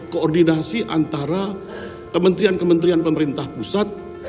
koordinasi antara kementerian kementerian pemerintah pusat